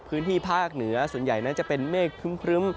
พื้นที่ภาคเหนือส่วนใหญ่นั้นจะเป็นเมฆครึ้ม